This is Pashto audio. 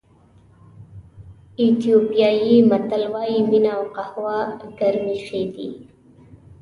ایتیوپیایي متل وایي مینه او قهوه ګرمې ښې دي.